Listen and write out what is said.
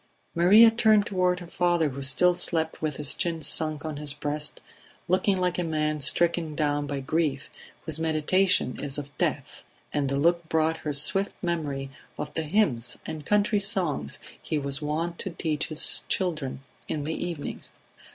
Maria turned toward her father who still slept with his chin sunk on his breast, looking like a man stricken down by grief whose meditation is of death; and the look brought her swift memory of the hymns and country songs he was wont to teach his children in the evenings.